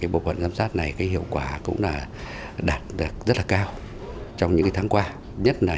bộ phận giám sát này hiệu quả cũng đạt rất cao trong những tháng qua